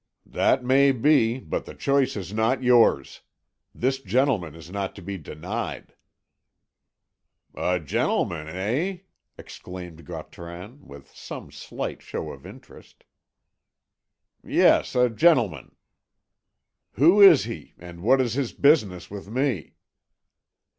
"That may be, but the choice is not yours. This gentleman is not to be denied." "A gentleman, eh?" exclaimed Gautran, with some slight show of interest. "Yes, a gentleman." "Who is he, and what is his business with me?"